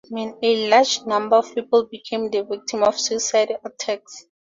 A large number of people became the victim of suicidal attacks.